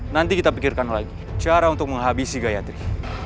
nanti kita pikirkan lagi cara untuk menghabisi gayatri